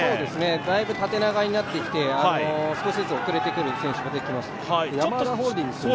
だいぶ縦長になってきて、少しずつ遅れてくる選手も出てきました。